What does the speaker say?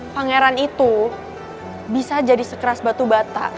pangeran itu bisa jadi sekeras batu bata karena dia gak dapat kasih sayang